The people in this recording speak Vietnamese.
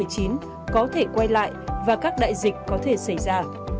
có thể quay lại và các đại dịch có thể xảy ra